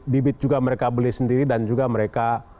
bibit juga mereka beli sendiri dan juga mereka